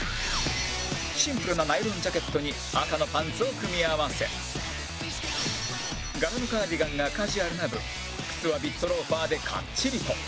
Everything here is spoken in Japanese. シンプルなナイロンジャケットに赤のパンツを組み合わせ柄のカーディガンがカジュアルな分靴はビットローファーでかっちりと